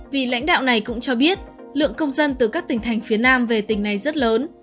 vì lãnh đạo này cũng cho biết lượng công dân từ các tỉnh thành phía nam về tỉnh này rất lớn